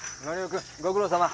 君ご苦労さま。